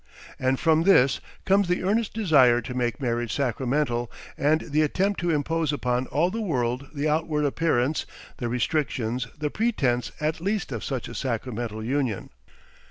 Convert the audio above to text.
And from this comes the earnest desire to make marriage sacramental and the attempt to impose upon all the world the outward appearance, the restrictions, the pretence at least of such a sacramental union.